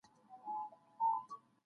ده عقلي علوم زده کړي وو